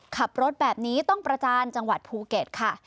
ขับรถแบบนี้ต้องประจานจังหวัดภูเก็ตค่ะ